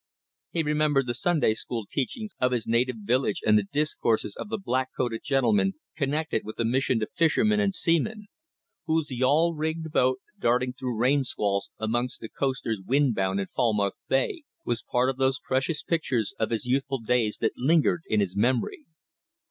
He remembered the Sunday school teachings of his native village and the discourses of the black coated gentleman connected with the Mission to Fishermen and Seamen, whose yawl rigged boat darting through rain squalls amongst the coasters wind bound in Falmouth Bay, was part of those precious pictures of his youthful days that lingered in his memory.